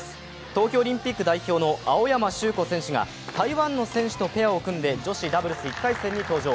東京オリンピック代表の青山修子選手が台湾の選手とペアを組んで女子ダブルス１回戦に登場。